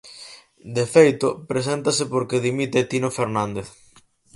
De feito, preséntase porque dimite Tino Fernández.